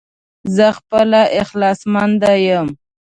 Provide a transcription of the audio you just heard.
زه خپله اخلاص مند يم